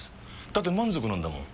だって満足なんだもん。